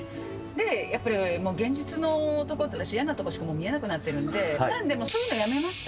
やっぱり現実の男って、嫌なところしか見えなくなっているんで、そういうのやめました。